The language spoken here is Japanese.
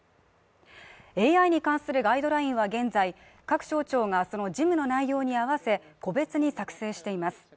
ＡＩに関するガイドラインは現在、各省庁がその事務の内容に合わせ、個別に作成しています。